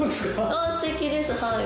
あっすてきですはい。